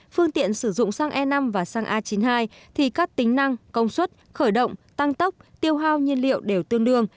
phương tiện sử dụng xăng e năm và xăng a chín mươi hai thì các tính năng công suất khởi động tăng tốc tiêu hao nhiên liệu đều tương đương